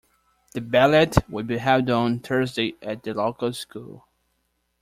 The ballot will be held on Thursday at the local school.